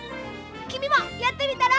きみもやってみたら？